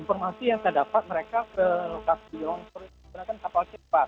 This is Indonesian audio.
informasi yang saya dapat mereka ke lokasi longsor menggunakan kapal cepat